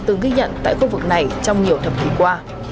từng ghi nhận tại khu vực này trong nhiều thập kỷ qua